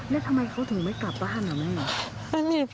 และทำไมเขาถึงไม่กลับบ้านครับแม่น้อง